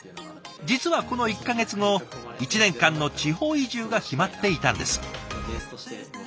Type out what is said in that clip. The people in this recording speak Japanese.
実はこの１か月後１年間の地方移住が決まっていたんです。